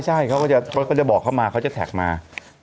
ใช่เขาก็จะบอกเขามาเขาจะแท็กมา